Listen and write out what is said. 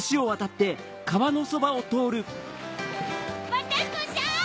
・バタコさん！